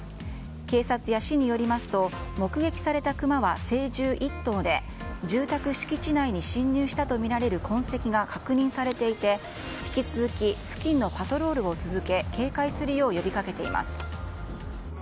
警察や市によりますと目撃されたクマは成獣１頭で住宅敷地内に侵入したとみられる痕跡が確認されていて引き続き付近のパトロールを続け警戒するよう呼びかけています。